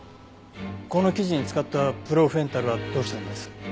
この記事に使ったプロフェンタルはどうしたんです？